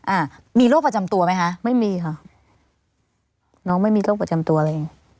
อ่ามีโรคประจำตัวไหมคะไม่มีค่ะน้องไม่มีโรคประจำตัวเลย